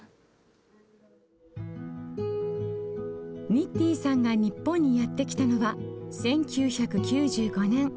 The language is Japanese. ニッティンさんが日本にやって来たのは１９９５年。